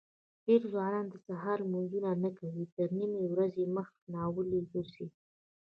دېری ځوانان سهار لمنځونه نه کوي تر نیمې ورځې مخ ناولي ګرځي.